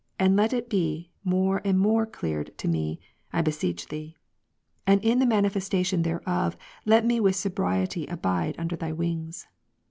and let it be more and more cleared unto me, I beseech Thee, —'■' and in the manifestation thereof, let me with sobriety abide under Thy wings.